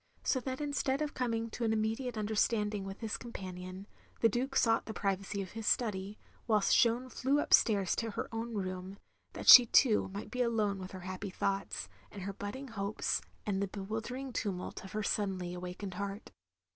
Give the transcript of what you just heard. So that instead of coming to an immediate tmderstanding with his companion, the Duke sought the privacy of his study, whilst Jeanne flew up stairs to her own room, that she too, might be alone with her happy thoughts, and her budding hopes, and the bewildering tumtdt of her suddenly awakened heart.